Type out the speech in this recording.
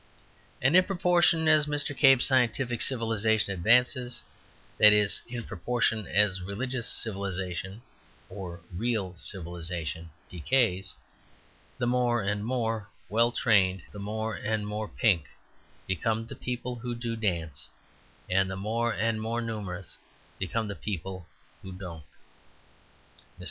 And, in proportion as Mr. McCabe's scientific civilization advances that is, in proportion as religious civilization (or real civilization) decays the more and more "well trained," the more and more pink, become the people who do dance, and the more and more numerous become the people who don't. Mr.